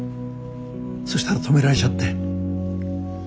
そしたら止められちゃって。